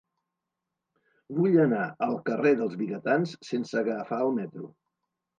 Vull anar al carrer dels Vigatans sense agafar el metro.